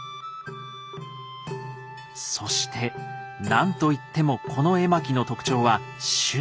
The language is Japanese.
そして何といってもこの絵巻の特徴は終盤です。